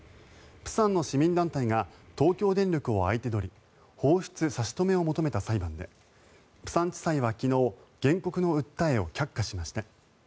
釜山の市民団体が東京電力を相手取り放出差し止めを求めた裁判で釜山地裁は昨日原告の訴えを却下しました。